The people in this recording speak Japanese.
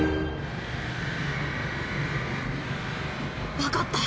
わかった。